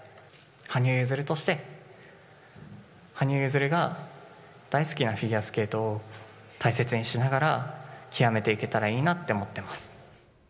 羽生結弦として、羽生結弦が大好きなフィギュアスケートを大切にしながら、極めていけたらいいなと思っています。